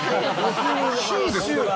「州」ですよ！